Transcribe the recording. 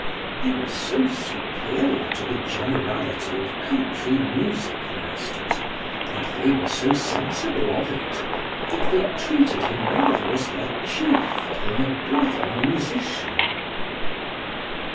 He was so superior to the generality of country music masters and they were so sensible of it, that they treated him rather as their chief than a brother musician.